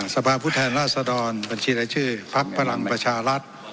สภาพุทธแทนราษฎรบัญชีรายชื่อภักดิ์ประหลังประชารัฐ